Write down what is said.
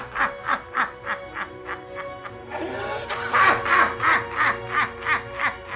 ハハハハハハハ！